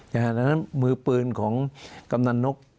ดังนั้นมือปืนของกำนันนก